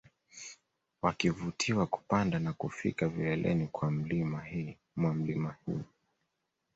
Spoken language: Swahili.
Wakivutiwa kupanda na kufika vileleni mwa milima hii